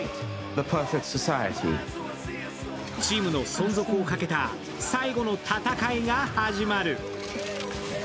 チームの存続をかけた最後の戦いが始まる。